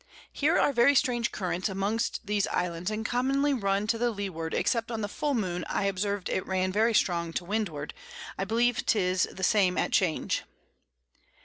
Here are very strange Currents amongst these Islands, and commonly run to the Leeward, except on the Full Moon I observed it ran very strong to Windward; I believe 'tis the same at Change.